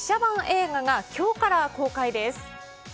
映画が今日から公開です。